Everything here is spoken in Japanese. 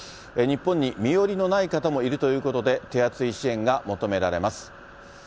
日本に身寄りのない方もいるということで、手厚い支援が求められます。